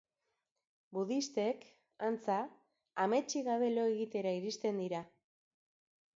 Budistek, antza, ametsik gabe lo egitera iristen dira.